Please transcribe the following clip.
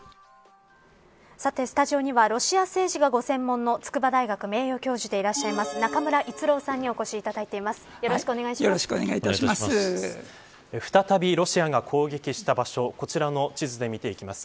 さて、スタジオにはロシア政治がご専門の筑波大学名誉教授でいらっしゃいます中村逸郎さんにお越しいただいています。